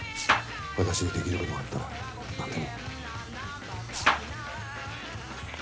私にできることがあったら何でも。